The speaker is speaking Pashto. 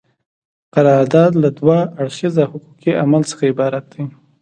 قرارداد له دوه اړخیزه حقوقي عمل څخه عبارت دی.